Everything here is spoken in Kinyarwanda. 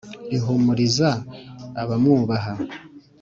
Rihumuriza abamwubaha